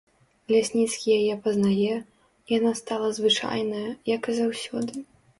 Лясніцкі яе пазнае, яна стала звычайная, як і заўсёды.